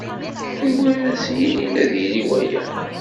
Anwa ara as-yinin ad d-yili waya.